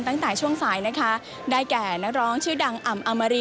ตั้งตายช่วงศาลนะคะ